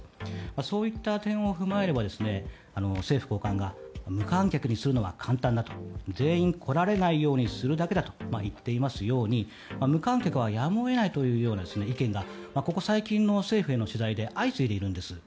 そういった点を踏まえれば政府高官が無観客にするのは簡単だと。全員、来られないようにするだけだと言っていますように無観客はやむを得ないという意見がここ最近の政府への取材で相次いでいるんです。